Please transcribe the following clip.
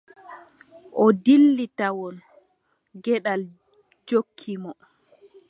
O dilli tawon geɗal jokki mo.